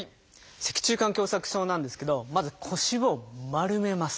脊柱管狭窄症なんですけどまず腰を丸めます。